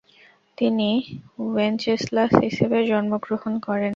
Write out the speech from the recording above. তিনি ওয়েনচেসলাস হিসেবে জন্মগ্রহণ করেন।